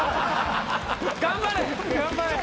頑張れ！